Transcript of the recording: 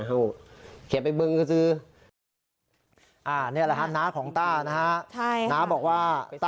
แกว่าต๊าบอกว่า